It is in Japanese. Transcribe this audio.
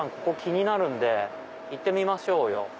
ここ気になるんで行ってみましょうよ。